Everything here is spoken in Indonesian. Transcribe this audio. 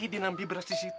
airbnb boleh masih